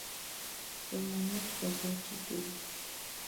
Somanet ko po chi tugul